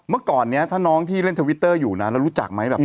เมื่อก่อนนี้ถ้าน้องที่เล่นทวิตเตอร์อยู่นะแล้วรู้จักไหมแบบ